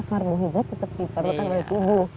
karbohidrat tetap diperlukan oleh tubuh